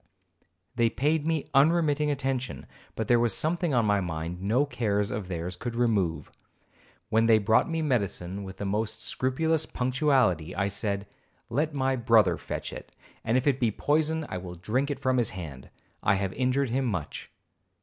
They paid me unremitting attention, but there was something on my mind no cares of theirs could remove. When they brought me medicine with the most scrupulous punctuality, I said, 'Let my brother fetch it, and if it be poison I will drink it from his hand; I have injured him much.'